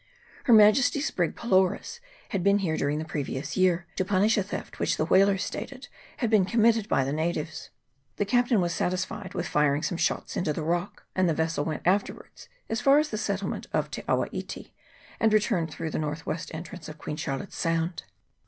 Her Majesty's brig Pylorus had been here during the previous year, to punish a theft which the whalers stated had been committed by the natives. The captain was satis fied with firing some shots into the rock, and the vessel went afterwards as far as the settlement of Te awa iti, and returned through the north west en trance of Queen Charlotte's Sound.